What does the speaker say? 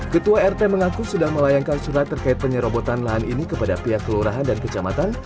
ketua rt mengaku sudah melayangkan surat terkait penyerobotan lahan ini kepada pihak kelurahan dan kecamatan